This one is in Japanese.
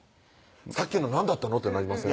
「さっきの何だったの？」ってなりません？